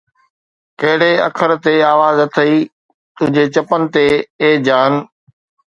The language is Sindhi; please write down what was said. ڪھڙي اکر تي آواز اٿئي تنھنجي چپن تي اي جان؟